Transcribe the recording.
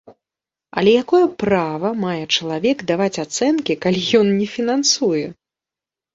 Але якое права мае чалавек даваць ацэнкі, калі ён не фінансуе?